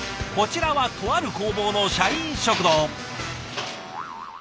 こちらはとある工房の社員食堂。